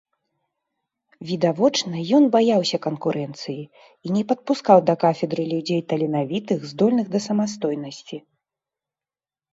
Відавочна, ён баяўся канкурэнцыі і не падпускаў да кафедры людзей таленавітых, здольных да самастойнасці.